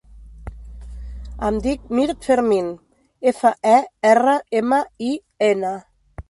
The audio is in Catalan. Em dic Mirt Fermin: efa, e, erra, ema, i, ena.